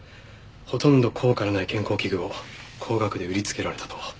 ほとんど効果のない健康器具を高額で売りつけられたと。